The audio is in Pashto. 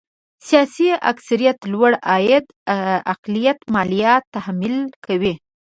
سیاسي اکثريت لوړ عاید اقلیت ماليات تحمیل کوي.